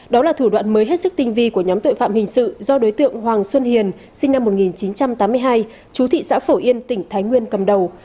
đó là thủ đoạn mới hết sức tinh vi của nhóm tội phạm hình sự do đối tượng hoàng xuân hiền sinh năm một nghìn chín trăm tám mươi hai chú thị xã phổ yên tỉnh thái nguyên cầm đầu